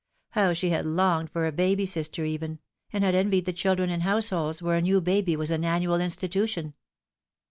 How she had longed for a baby sister even, and had envied the children in households where a new baby was an annual insti tution